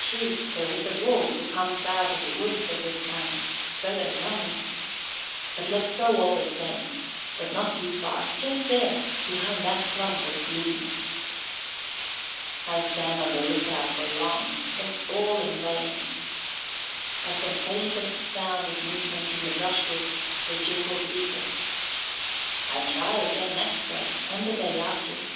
True, there is a Wolf, who comes out of the woods at this time, so they tell me. Let's go all the same, but not too far: just there, behind that clump of gloom. I stand on the lookout for long, but all in vain. At the faintest sound of movement in the brushwood, the jingle ceases. I try again next day and the day after.